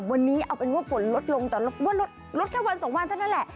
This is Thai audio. วันนี้เอาเป็นว่าฝนลดลงแต่ว่าลดแค่วันสองวันเท่านั้นแหละ